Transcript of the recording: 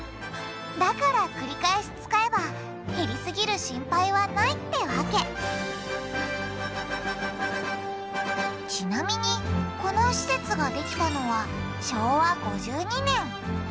だからくりかえし使えば減りすぎる心配はないってわけちなみにこの施設ができたのは昭和５２年。